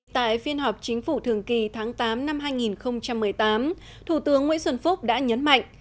tại phiên họp chính phủ thường kỳ tháng tám năm hai nghìn một mươi tám thủ tướng nguyễn xuân phúc đã nhấn mạnh